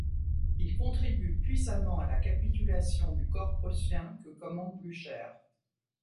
Il contribue puissamment à la capitulation du corps prussien que commande Blücher.